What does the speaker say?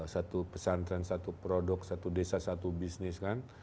satu pesantren satu produk satu desa satu bisnis kan